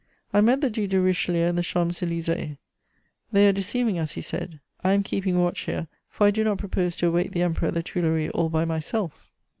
I met the Duc de Richelieu in the Champs Élysées: "They are deceiving us," he said; "I am keeping watch here, for I do not propose to await the Emperor at the Tuileries all by myself."